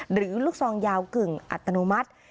หรือลูกซองยาวกึ่งอัตโนมัติ